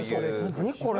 何これ？